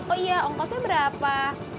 oh iya ongkosnya berapa